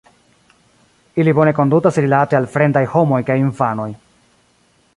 Ili bone kondutas rilate al fremdaj homoj kaj infanoj.